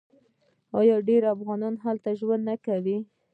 آیا ډیر افغانان هلته ژوند نه کوي؟